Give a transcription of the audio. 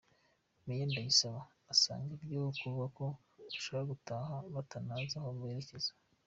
Meya Ndayisaba agasanga ibyo kuvuga ko bashaka gutaha batanazi aho berekeza.